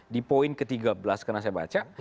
di poin ke tiga belas karena saya baca